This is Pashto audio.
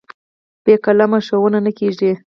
بې قلمه ښوونه نه کېږي.